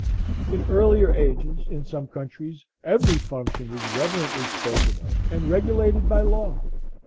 In earlier ages, in some countries, every function was reverently spoken of and regulated by law.